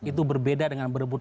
itu berbeda dengan berebut